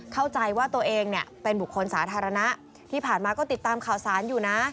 เข้าใจว่าตัวเองเนี่ยเป็นบุคคลสาธารณะที่ผ่านมาก็ติดตามข่าวสารอยู่นะ